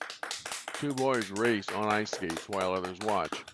Two boys race on ice skates while others watch.